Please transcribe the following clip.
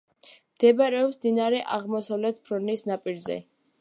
მდებარეობს მდინარე აღმოსავლეთ ფრონის ნაპირზე.